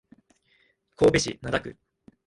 神戸市灘区